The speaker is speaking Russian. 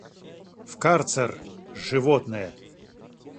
В карцер! Животное!